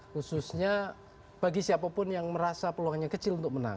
khususnya bagi siapapun yang merasa peluangnya kecil untuk menang